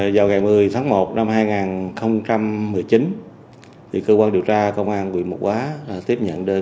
vào ngày một mươi tháng một năm hai nghìn một mươi chín thì cơ quan điều tra công an quỳ mục hóa tiếp nhận đơn giản